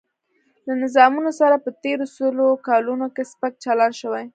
له نظامونو سره په تېرو سلو کلونو کې سپک چلن شوی.